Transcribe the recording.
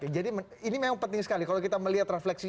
jadi ini memang penting sekali kalau kita melihat refleksi